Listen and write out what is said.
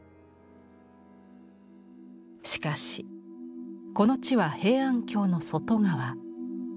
しかしこの地は平安京の外側。